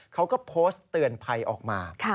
เขาก็โพสต์เตือนภัยออกมา